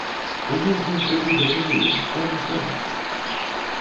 Увойдзем хоць у гэты млын, там усе нашы.